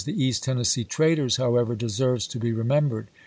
the East Tennessee "traitors," however, deserves to be remembered.